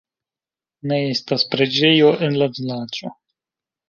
Ne estas preĝejo en la vilaĝo.